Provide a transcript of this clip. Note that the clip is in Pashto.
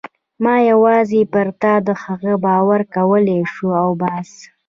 ما یوازې پر تا د هغه باور کولای شو او بس.